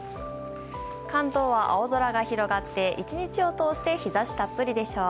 関東は青空が広がって１日を通して日差したっぷりでしょう。